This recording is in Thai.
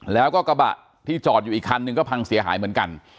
แล้วก็กระบะที่จอดอยู่อีกคันนึงก็พังเสียหายเหมือนกัน